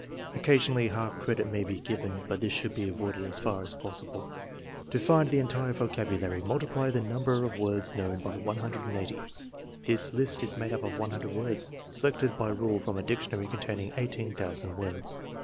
Occasionally half credit may be given, but this should be avoided as far as possible. To find the entire vocabulary, multiply the number of words known by 180. (This list is made up of 100 words selected by rule from a dictionary containing 18,000 words.)